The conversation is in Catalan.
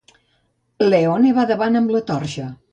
Leone va davant amb la torxa.